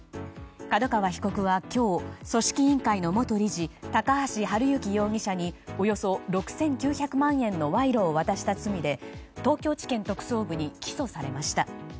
角川被告は今日組織委員会の元理事高橋治之容疑者におよそ６９００万円の賄賂を渡した罪で東京地検特捜部に起訴されました。